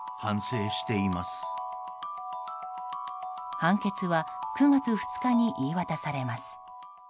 判決は９月２日に言い渡されます。